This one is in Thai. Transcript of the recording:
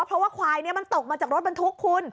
เพราะว่าควายนี้มันตกมาจากรถบรรทุกคุณ